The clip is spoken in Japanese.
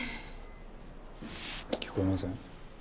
聞こえません？